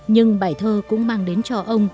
nhưng bài thơ cũng mang đến cho ông